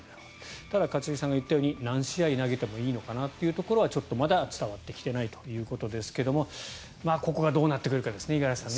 ただ、一茂さんが言ったように何試合投げてもいいのかなというところはちょっとまだ伝わってきていないというところですがここがどうなってくるかですね五十嵐さんね。